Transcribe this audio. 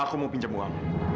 aku mau pinjam uang